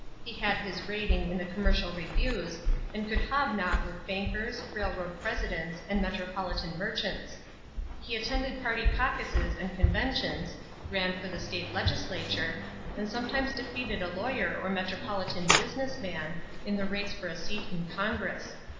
He had his rating in the commercial reviews and could hobnob with bankers, railroad presidents, and metropolitan merchants.... He attended party caucuses and conventions, ran for the state legislature, and sometimes defeated a lawyer or metropolitan 'business man' in the race for a seat in Congress.